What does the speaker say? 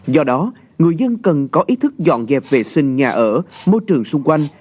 do đó người dân cần có ý thức dọn dẹp vệ sinh nhà ở môi trường xung quanh